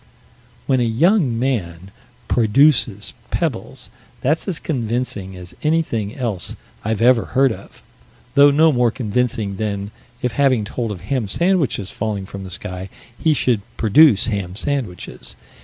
When a young man "produces" pebbles, that's as convincing as anything else I've ever heard of, though no more convincing than, if having told of ham sandwiches falling from the sky, he should "produce" ham sandwiches.